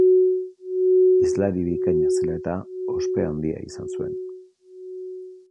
Hizlari bikaina zela eta, ospe handia izan zuen.